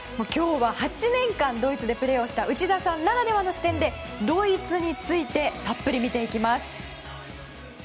今日は８年間ドイツでプレーをした内田さんならではの視点でドイツについてたっぷり見ていきます。